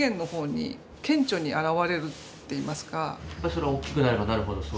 それは大きくなればなるほどそういう。